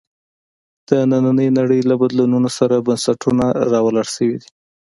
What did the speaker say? د نننۍ نړۍ له بدلونونو سره بنسټونه راولاړ شوي دي.